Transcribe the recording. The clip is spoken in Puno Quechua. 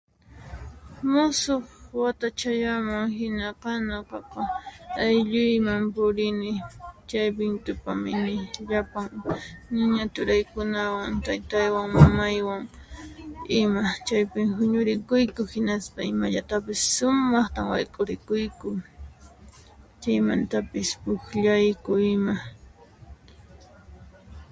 Musuq wata chayamun hinaqa nuqaqa aylluyman purini chaypin tupamuni lapan ñaña turaykunawan, tataywan, mamaywan ima. Chaypin huñurikuyku yasta imallatapis sumaqtan wayk'urikuyku, chaymantapis puqllayku ima.